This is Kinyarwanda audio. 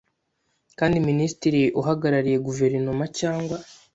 kandi Minisitiri uhagarariye Guverinoma cyangwa